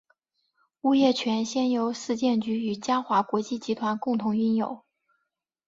物业权现由市建局与嘉华国际集团共同拥有。